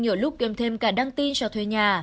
nhiều lúc gam thêm cả đăng tin cho thuê nhà